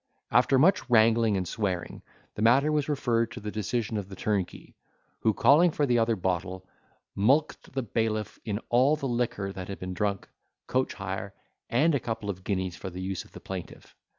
After much wrangling and swearing, the matter was referred to the decision of the turnkey, who calling for the other bottle, mulcted the bailiff in all the liquor that had been drunk, coach hire, and a couple of guineas for the use of the plaintiff.